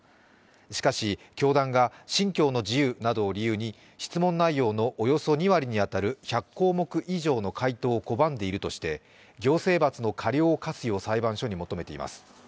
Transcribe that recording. しかし教団が、信教の自由などを理由に質問内容のおよそ２割に当たる１００項目以上の回答を拒んでいるとして行政罰の過料を科すよう裁判所に求めています。